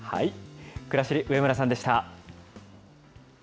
くらしり、上村さんでした。